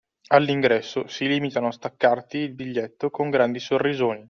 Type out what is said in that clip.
All’ingresso si limitano a staccarti il biglietto con grandi sorrisoni